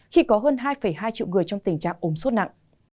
khi có hơn hai hai triệu người trong tình trạng ồn sốt nặng